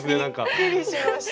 びっくりしました。